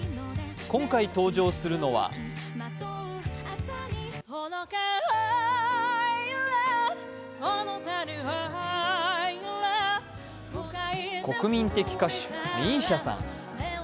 今回、登場するのは国民的歌手、ＭＩＳＩＡさん。